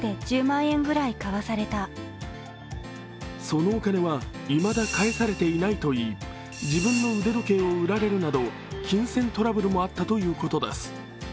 そのお金はいまだ返されていないといい、自分の腕時計を売られるなど、金銭トラブルもあったということです。